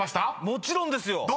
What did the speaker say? もちろんですよ！